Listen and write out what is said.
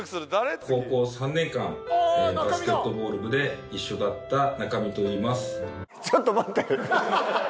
高校３年間バスケットボール部で一緒だった中見といいます。